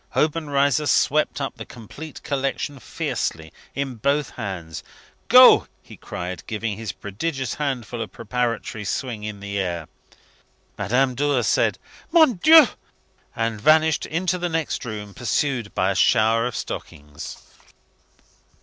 Obenreizer swept up the complete collection fiercely in both hands. "Go!" he cried, giving his prodigious handful a preparatory swing in the air. Madame Dor said, "Mon Dieu," and vanished into the next room, pursued by a shower of stockings.